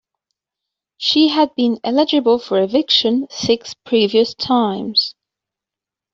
She had been eligible for eviction six previous times.